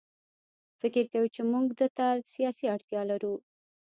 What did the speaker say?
فکر کوي چې موږ ده ته سیاسي اړتیا لرو.